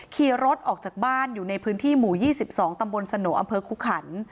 ขี่รถออกจากบ้านอยู่ในพื้นที่หมู่๒๒ตำบลสโนอำเภอคุขัน